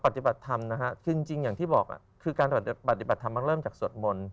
พอปฏิบัติธรรมนะครับจึงอย่างที่บอกนะคือการปฏิษฐรมมันเริ่มจากสวดหมล